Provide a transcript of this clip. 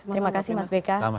terima kasih mas beka